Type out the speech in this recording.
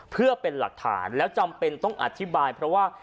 เพื่อเป็นหลักฐานแล้วจำเป็นต้องอธิบายเพราะว่า